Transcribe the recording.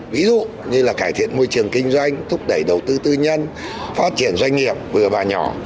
ví dụ như là cải thiện môi trường kinh doanh thúc đẩy đầu tư tư nhân phát triển doanh nghiệp vừa và nhỏ